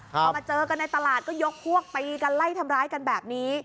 พอมาเจอกันในตลาดก็ยกพวกตีกันไล่ทำร้ายกันแบบนี้